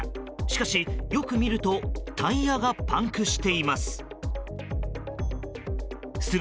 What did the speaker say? しかし、よく見るとタイヤがパンクしています。